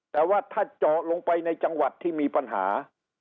แต่ว่าถ้าเจาะลงไปในจังหวัดที่มีปัญหา